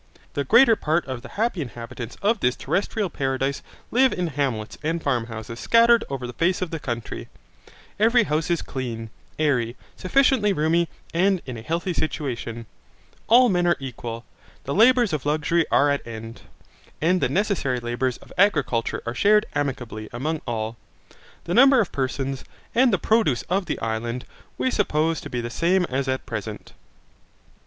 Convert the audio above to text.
The greater part of the happy inhabitants of this terrestrial paradise live in hamlets and farmhouses scattered over the face of the country. Every house is clean, airy, sufficiently roomy, and in a healthy situation. All men are equal. The labours of luxury are at end. And the necessary labours of agriculture are shared amicably among all. The number of persons, and the produce of the island, we suppose to be the same as at present.